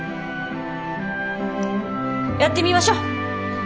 やってみましょ。